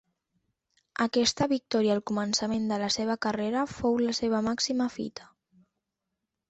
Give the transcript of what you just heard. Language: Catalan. Aquesta victòria al començament de la seva carrera fou la seva màxima fita.